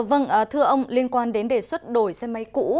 vâng thưa ông liên quan đến đề xuất đổi xe máy cũ